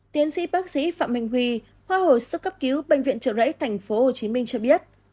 tiến sĩ bác sĩ phạm minh huy khoa hồi sức cấp cứu bệnh viện trợ rẫy tp hcm cho biết